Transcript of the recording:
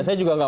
jadi gak bisa